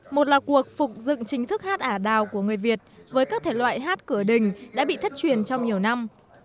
một là cuộc phục dựng chính thức hát ả đào của người việt với các thể loại hát cửa đình đã bị thất truyền trong nhiều năm